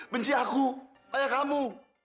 benci aku ayah kamu